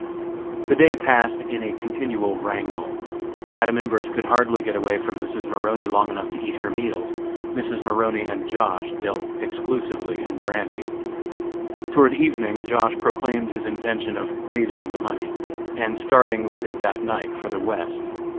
The day passed in a continual wrangle. Madam Imbert could hardly get away from Mrs. Maroney long enough to eat her meals. Mrs. Maroney and Josh. dealt exclusively in brandy. Toward evening Josh. proclaimed his intention of "raising" the money, and starting with it that night for the West.